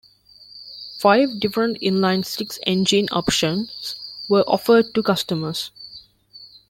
Five different inline six engine options were offered to customers.